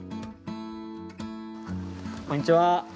こんにちは。